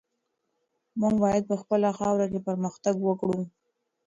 موږ باید په خپله خاوره کې پرمختګ وکړو.